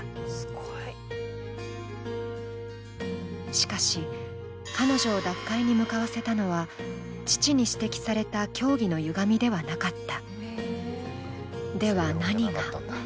しかし、彼女を脱会に向かわせたのは父に指摘された教義のゆがみではなかった。